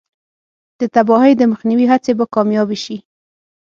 د تباهۍ د مخنیوي هڅې به کامیابې شي.